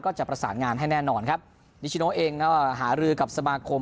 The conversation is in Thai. จะประสานงานให้แน่นอนครับนิชโนเองก็หารือกับสมาคม